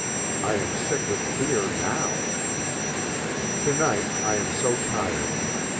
I am sick with fear now. To night I am so tired.